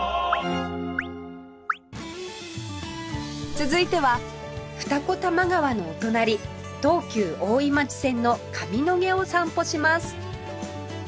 続いては二子玉川のお隣東急大井町線の上野毛を散歩します